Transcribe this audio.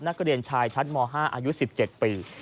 นักเรียนชายชั้นม๕อายุ๑๗ปี